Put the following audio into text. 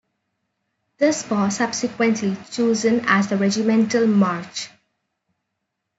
This was subsequently chosen as the Regimental march.